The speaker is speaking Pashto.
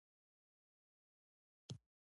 نور محمد نوري تحفة الامیر په نامه کتاب کړی دی.